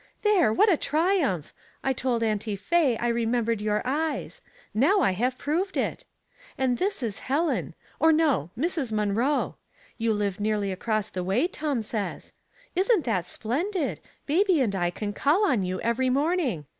There, what a triumph! I told Auntie Faye I remembered your eyes ; now I have proved it. And this is Helen — or, no; Mrs. Munroe. You live nearly across the way, Tom says. Isn't that splendid ? baby and I can call on you every morning.